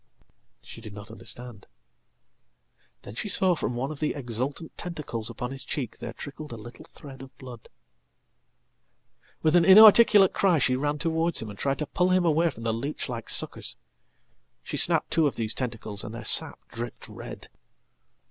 She did not understand. Then she saw from under one of the exultanttentacles upon his cheek there trickled a little thread of blood. With an inarticulate cry she ran towards him, and tried to pull him awayfrom the leech like suckers. She snapped two of these tentacles, and theirsap dripped red.